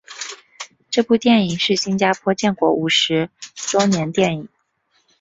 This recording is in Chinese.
这部电影是新加坡建国五十周年电影。